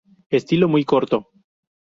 Estilo muy corto.